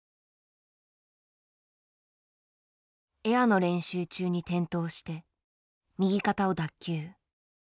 エアの練習中に転倒して右肩を脱臼。